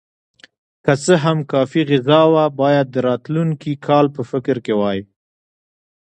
که څه هم کافي غذا وه، باید د راتلونکي کال په فکر کې وای.